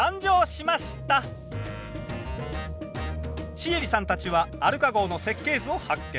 シエリさんたちはアルカ号の設計図を発見。